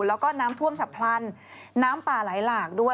แล้วก็น้ำท่วมสะพรรณน้ำป่าหลายหลากด้วย